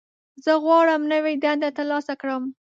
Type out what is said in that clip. زه غواړم نوې دنده ترلاسه کړم.